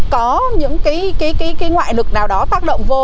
có những cái ngoại lực nào đó tác động vô